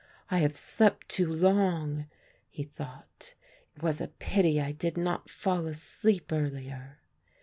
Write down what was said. "I have slept too long," he thought; "it was a pity I did not fall asleep earlier."